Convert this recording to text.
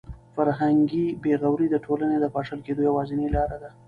فرهنګي بې غوري د ټولنې د پاشل کېدو یوازینۍ لاره ده.